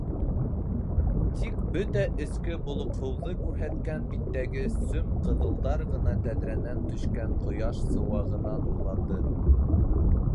Тик бөтә эске болоҡһоуҙы күрһәткән биттәге сөм-ҡыҙылдар ғына тәҙрәнән төшкән ҡояш сыуағына нурланды.